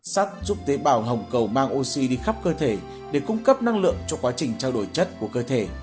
sắt giúp tế bào hồng cầu mang oxy đi khắp cơ thể để cung cấp năng lượng cho quá trình trao đổi chất của cơ thể